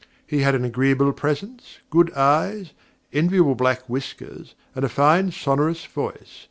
He had an agreeable presence, good eyes, enviable black whiskers, and a fine sonorous voice.